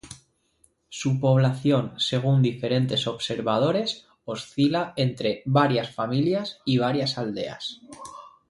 Su población, según diferentes observadores, oscila entre "varias familias" y "varias aldeas".